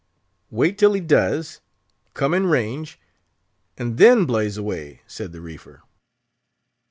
"Wait till he does come in range, and then blaze away," said the reefer.